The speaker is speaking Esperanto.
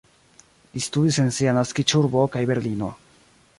Li studis en sia naskiĝurbo kaj Berlino.